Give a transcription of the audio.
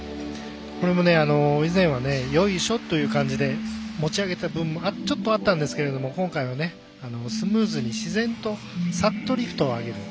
以前はよいしょっという感じで持ち上げてた部分もちょっとあったんですけど今回はスムーズに自然とサッとリフトを上げる。